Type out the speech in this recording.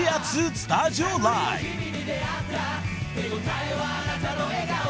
スタジオライブ］